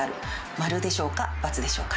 〇でしょうか？×でしょうか？